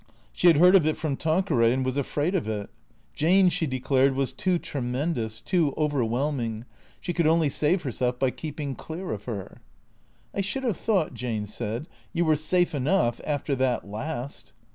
She had heard of it from Tanqueray, and was afraid of it. Jane, she declared, was too tremendous, too overwhelm ing. She could only save herself by keeping clear of her. " I should have thought," Jane said, " you were safe enough — after that last."